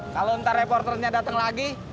kalau ntar reporternya datang lagi